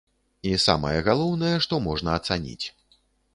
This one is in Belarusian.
І самае галоўнае, што можна ацаніць.